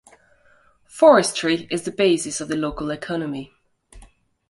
Forestry is the basis of the local economy.